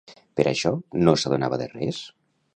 Per això, no s'adonava de res?